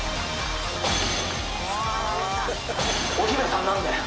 お姫さんなんだよ。